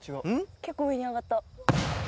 結構上に上がった。